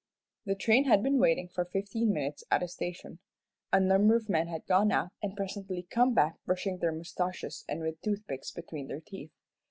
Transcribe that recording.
The train had been waiting for fifteen minutes at a station. A number of men had gone out, and presently come back brushing their moustaches and with toothpicks between their teeth.